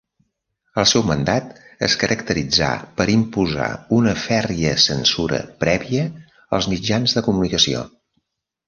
El seu mandat es caracteritzà per imposar una fèrria censura prèvia als mitjans de comunicació.